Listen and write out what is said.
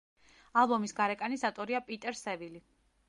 ალბომის გარეკანის ავტორია პიტერ სევილი.